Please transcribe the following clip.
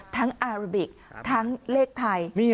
อาราบิกทั้งเลขไทย